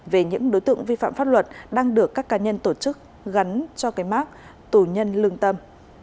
về những đối tượng vi phạm pháp luật đang được các cá nhân tổ chức gắn cho cái mát tù nhân lương tâm